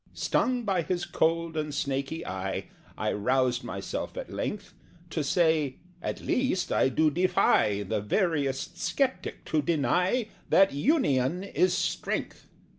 Stung by his cold and snaky eye, I roused myself at length To say "At least I do defy The veriest sceptic to deny That union is strength!"